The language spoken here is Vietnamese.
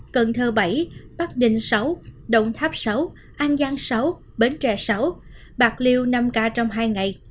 cần thơ bảy bắc ninh sáu đồng tháp sáu an giang sáu bến tre sáu bạc liêu năm ca trong hai ngày